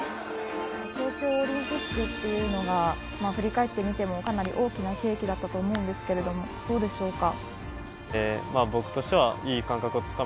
東京オリンピックというのが振り返ってみてもかなり大きな転機だったと思うんですけどどうでしょうか。